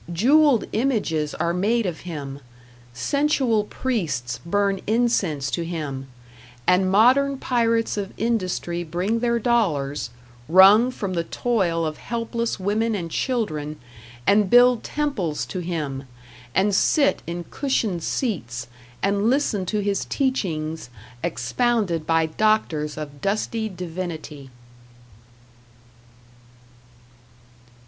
Jewelled images are made of him, sensual priests burn insense to him, and modern pirates of industry bring their dollars, wrung from the toil of helpless women and children, and build temples to him, and sit in cushioned seats and listen to his teachings expounded by doctors of dusty divinity!"